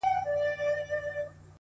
نه ښېرا نه کوم هغه څومره نازک زړه لري؛